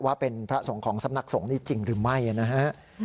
ว่าเป็นพระสงฆ์ของสำนักสงฆ์นี้จริงหรือไม่นะฮะ